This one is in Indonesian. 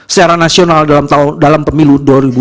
secara nasional dalam pemilu